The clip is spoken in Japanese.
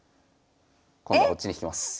今度こっちに引きます。